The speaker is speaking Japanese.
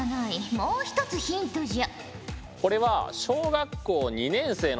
もう一つヒントじゃ。